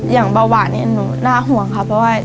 อย่างเบาหวานนี่หนูน่าห่วงค่ะเพราะว่า